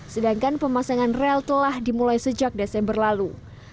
sedangkan pemasangan rel telah dimulai sejak desember lalu